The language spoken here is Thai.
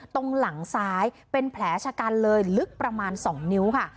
ตรงหลังซ้ายเป็นแผลชะกันเลยลึกประมาณ๒นิ้วค่ะ